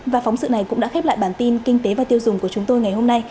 và phóng sự này cũng đã khép lại bản tin kinh tế và tiêu dùng của chúng tôi ngày hôm nay